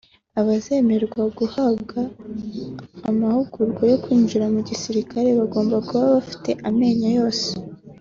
Abazemererwa guhabwa amahugurwa yo kwinjira mu gisirikare bagomba kuba bafite amenyo yose